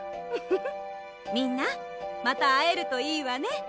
ウフフみんなまたあえるといいわね。